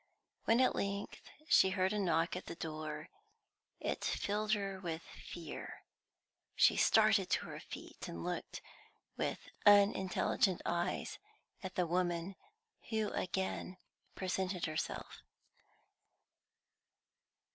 When at length she heard a knock at the door it filled her with fear; she started to her feet and looked with unintelligent eyes at the woman who again presented herself.